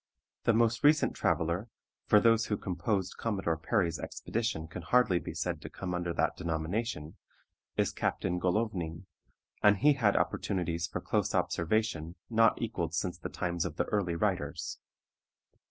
The most recent traveler (for those who composed Commodore Perry's expedition can hardly be said to come under that denomination) is Captain Golownin, and he had opportunities for close observation not equaled since the times of the early writers.